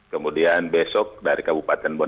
kemudian besok dari kabupaten bogor